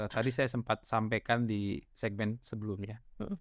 tadi saya sempat sampaikan di segmen sebelumnya